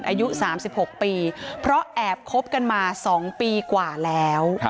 อายุ๓๖ปีเพราะแอบคบกันมา๒ปีกว่าแล้ว